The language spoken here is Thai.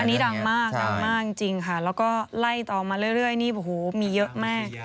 อันนี้ดังมากจริงค่ะแล้วก็ไล่ต่อมาเรื่อยมีเยอะแม่